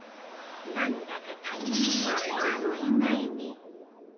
何だか他人には思えないね。